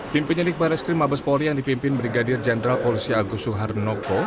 tim penyelidik bahreskrim mabes poli yang dipimpin brigadir jenderal polisi agus suharnoko